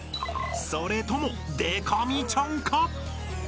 ［それともでか美ちゃんか？］